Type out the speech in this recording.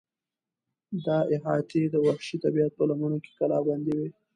دا احاطې د وحشي طبیعت په لمنو کې کلابندې وې.